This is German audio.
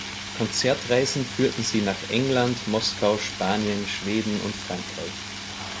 Konzertreisen führten sie nach England, Moskau, Spanien, Schweden und Frankreich.